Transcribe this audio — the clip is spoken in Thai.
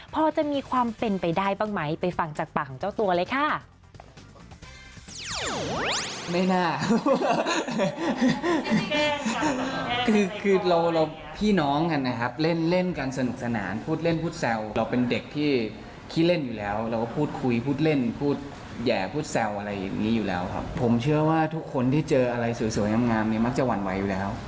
พอจะมีความเป็นไปได้บ้างไหมไปฟังจากปากของเจ้าตัวเลยค่ะ